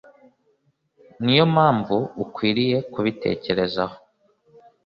niyo mpamvu ukwiriye kubitekerezaho